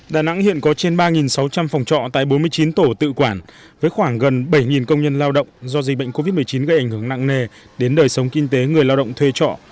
đà nẵng hiện có trên ba sáu trăm linh phòng trọ tại bốn mươi chín tổ tự quản với khoảng gần bảy công nhân lao động do dịch bệnh covid một mươi chín gây ảnh hưởng nặng nề đến đời sống kinh tế người lao động thuê trọ